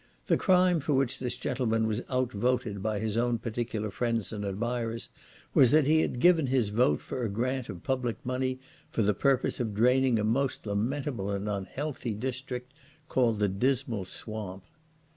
The crime for which this gentleman was out voted by his own particular friends and admirers was, that he had given his vote for a grant of public money for the purpose of draining a most lamentable and unhealthy district, called "_the dismal swamp!